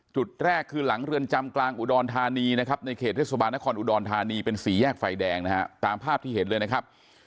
จุดแรกคือหลังเรือนจำกลางอุดรธานีนะครับในเขตเทศบาลนครอุดรธานีเป็นสี่แยกไฟแดงนะฮะตามภาพที่เห็นเลยนะครับ